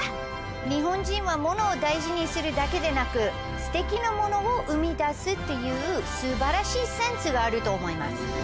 日本人は物を大事にするだけでなくすてきなものを生み出すという素晴らしいセンスがあると思います。